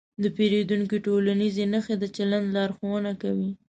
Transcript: د پیریدونکي ټولنیزې نښې د چلند لارښوونه کوي.